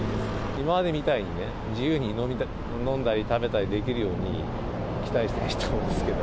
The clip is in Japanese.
今までみたいにね、自由に飲んだり食べたりできるように期待して来たんですけど。